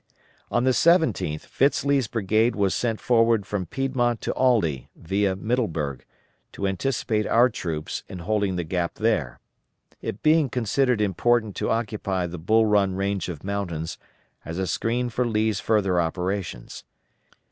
On the 17th Fitz Lee's brigade was sent forward from Piedmont to Aldie, via Middleburg, to anticipate our troops in holding the Gap there; it being considered important to occupy the Bull Run range of mountains as a screen for Lee's further operations.